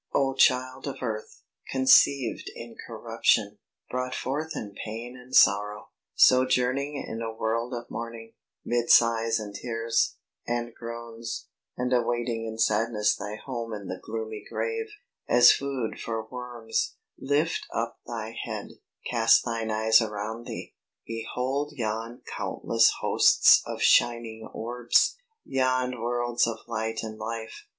O Child of earth, conceived in corruption! Brought forth in pain and sorrow! sojourning In a world of mourning, mid sighs and tears, And groans, and awaiting in sadness thy home In the gloomy grave, as food for worms; Lift up thy head, cast thine eyes around thee, Behold yon countless hosts of shining orbs, Yon worlds of light and life.